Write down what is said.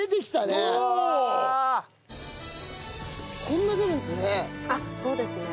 こんな出るんですね。